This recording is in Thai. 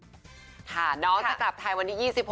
เออเรารู้สึกว่าเราก็อยากแบบครั้งหนึ่งในชีวิต